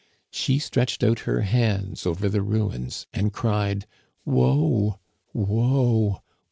She stretched out her hands over the ruins, and cried :" Woe ! woe